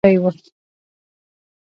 سپي د ماريا پښو ته پرېوت.